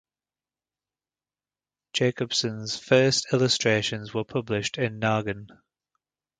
Jacobsson's first illustrations were published in Naggen.